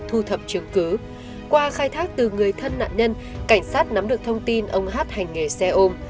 thu thập chứng cứ qua khai thác từ người thân nạn nhân cảnh sát nắm được thông tin ông hát hành nghề xe ôm